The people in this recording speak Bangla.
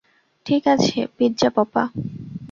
ঠিক আছে, পিৎজা পপা।